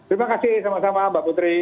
terima kasih sama sama mbak putri